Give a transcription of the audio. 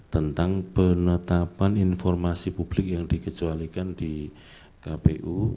tentang penetapan informasi publik yang dikecualikan di kpu